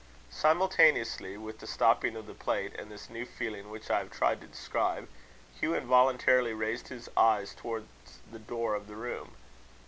Simultaneously with the stopping of the plate, and this new feeling which I have tried to describe, Hugh involuntarily raised his eyes towards the door of the room.